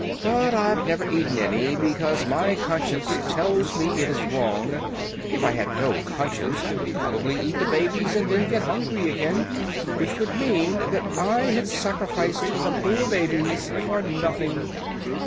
But I've never eaten any, because my conscience tells me it is wrong. If I had no conscience I would probably eat the babies and then get hungry again, which would mean that I had sacrificed the poor babies for nothing.